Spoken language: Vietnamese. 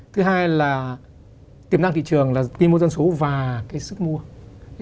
thứ hai là tiềm năng thị trường là quy mô dân số và cái sức mua